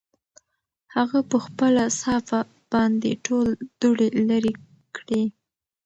هغه په خپله صافه باندې ټول دوړې لرې کړې.